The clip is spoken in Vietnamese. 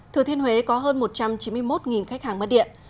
thừa thiên huế có hơn một trăm chín mươi một khách hàng mất điện